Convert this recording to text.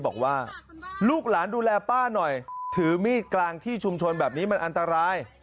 บอกว่าลูกหลานดูแลป้าหน่อยถือมีดกลางที่ชุมชนแบบนี้มันอันตราย